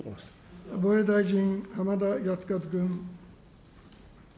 防衛大臣、浜田靖一君。